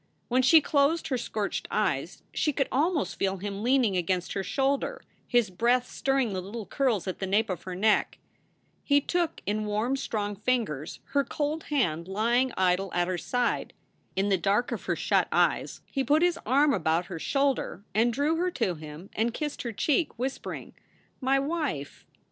When she closed her scorched eyes she could almost feel him leaning against her shoulder, his breath stirring the little curls at the nape of her neck. He took in warm, strong ringers her cold hand lying idle at her side. In the dark of her shut eyes he put his arm about her shoulder and drew her to him and kissed her cheek, whispering, "My wife!"